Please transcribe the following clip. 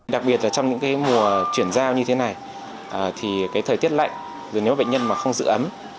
đặc biệt là trong những mùa chuyển giao như thế này thì thời tiết lạnh nếu bệnh nhân không giữ ấm